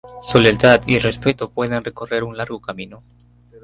Su lealtad y el respeto pueden recorrer un largo camino.